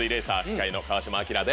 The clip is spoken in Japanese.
司会の川島明です。